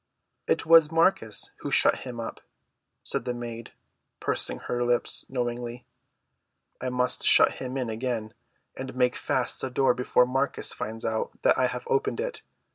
"It was Marcus who shut him up," said the maid, pursing up her lips knowingly. "I must shut him in again, and make fast the door before Marcus finds out that I have opened it.